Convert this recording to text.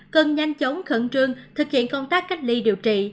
cần nhanh chóng khẩn trương thực hiện công tác cách ly điều trị